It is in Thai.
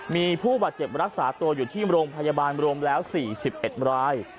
มีผู้บาดเจ็บรักษาตัวอยู่ที่โรงพยาบาลรวมแล้ว๔๑ราย